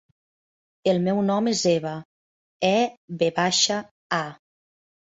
El meu nom és Eva: e, ve baixa, a.